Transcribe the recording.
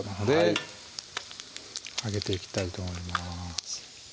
いあげていきたいと思います